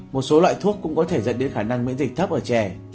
một số loại thuốc cũng có thể dẫn đến khả năng miễn dịch thấp ở trẻ